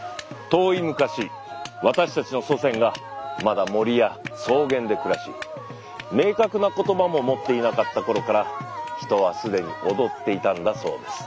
遠い昔私たちの祖先がまだ森や草原で暮らし明確な言葉も持っていなかった頃から人は既に踊っていたんだそうです。